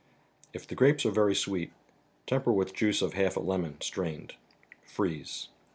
If the grapes are very sweet, temper with juice of half a lemon, strained. Freeze.